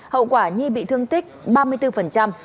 hậu quả nhi bị thương tích